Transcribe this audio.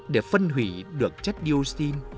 để phân hủy được chất dioxin